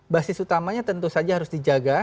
basis utamanya tentu saja harus dijaga